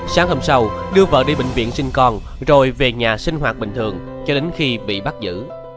sáng hôm sau đưa vợ đi bệnh viện sinh con rồi về nhà sinh hoạt bình thường cho đến khi bị bắt giữ